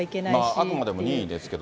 あくまでも任意ですけど。